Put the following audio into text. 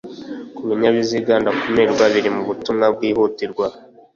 Ku binyabiziga ndakumirwa biri mubutumwa bwihutirwa